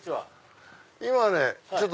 今ね